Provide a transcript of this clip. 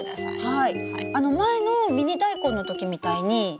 はい。